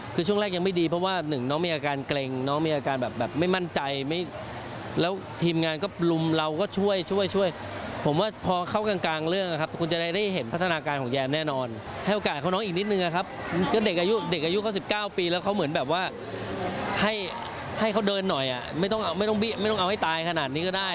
เขาเหมือนแบบว่าให้เขาเดินหน่อยอ่ะไม่ต้องเอาให้ตายขนาดนี้ก็ได้